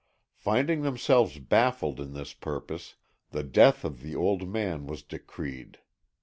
Finding themselves baffled in this purpose, the death of the old man was decreed.